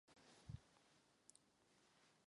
Ničitele, rozvraceče?